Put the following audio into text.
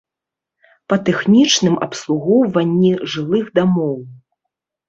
Па тэхнічным абслугоўванні жылых дамоў.